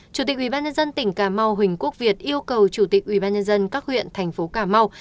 chủ tịch ubnd tỉnh cà mau huỳnh quốc việt yêu cầu chủ tịch ubnd các huyện thành phố cà mau